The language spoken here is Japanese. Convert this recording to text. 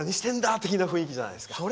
みたいな雰囲気じゃないですか。